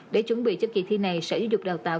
để chuẩn bị cho kỳ thi này sở dục đào tạo